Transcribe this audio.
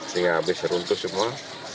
sehingga habis runtuh semua